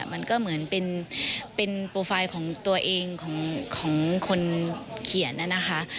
มันก็เหมือนเป็นโปรไฟล์ของตัวเองของคนเขียนนะคะ